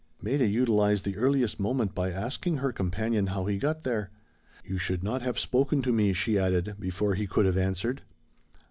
Maida utilized the earliest moment by asking her companion how he got there. "You should not have spoken to me," she added, before he could have answered.